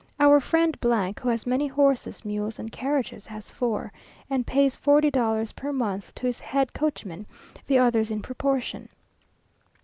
Our friend , who has many horses, mules, and carriages, has four; and pays forty dollars per month to his head coachman; the others in proportion.